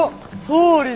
総理。